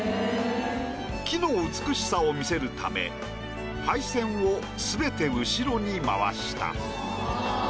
木の美しさを見せるため配線を全て後ろに回した。